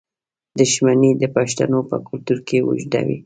دښمني د پښتنو په کلتور کې اوږده وي.